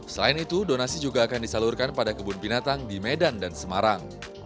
selain itu donasi juga akan disalurkan pada kebun binatang di medan dan semarang